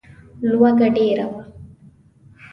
لوږه ډېره وه.